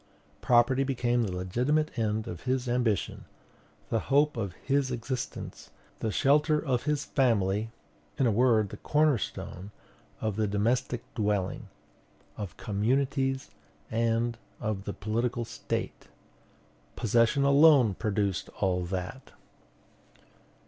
"Property became the legitimate end of his ambition, the hope of his existence, the shelter of his family; in a word, the corner stone of the domestic dwelling, of communities, and of the political State." Possession alone produced all that.